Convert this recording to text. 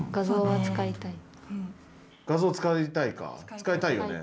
使いたいよね